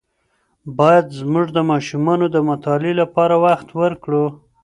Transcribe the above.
باید زموږ د ماشومانو د مطالعې لپاره وخت ورکړو.